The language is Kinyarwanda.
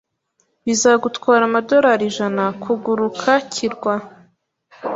Bizagutwara amadorari ijana kuguruka kirwa.